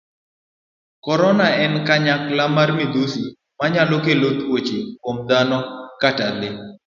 Korona en kanyakla mar midhusi manyalo kelo tuoche kuom dhano kata lee.